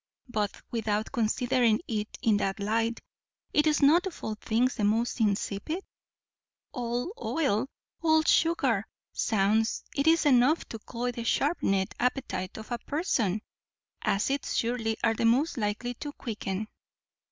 but, without considering it in that light, is it not of all things the most insipid? all oil! all sugar! zounds! it is enough to cloy the sharp set appetite of a parson. Acids surely are the most likely to quicken."